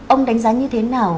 ông đánh giá như thế nào